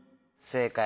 正解！